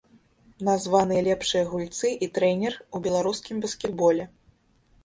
Названыя лепшыя гульцы і трэнер у беларускім баскетболе.